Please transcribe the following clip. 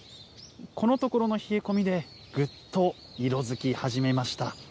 このところの冷え込みで、ぐっと色づき始めました。